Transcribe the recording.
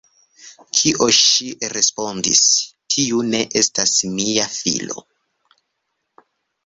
Kion ŝi respondis:"Tiu ne estas mia filo!